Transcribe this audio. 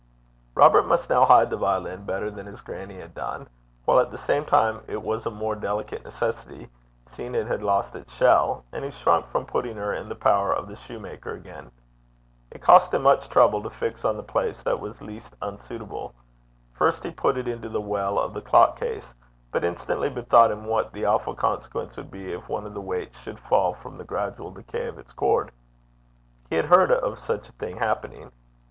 Robert must now hide the violin better than his grannie had done, while at the same time it was a more delicate necessity, seeing it had lost its shell, and he shrunk from putting her in the power of the shoemaker again. It cost him much trouble to fix on the place that was least unsuitable. First he put it into the well of the clock case, but instantly bethought him what the awful consequence would be if one of the weights should fall from the gradual decay of its cord. He had heard of such a thing happening.